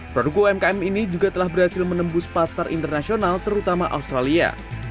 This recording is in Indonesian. produk umkm ini juga telah berhasil menembus pasar internasional terutama australia